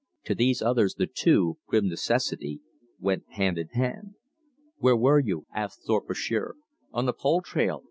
To these others the two, grim necessity, went hand in hand. "Where were you?" asked Thorpe of Shearer. "On the pole trail.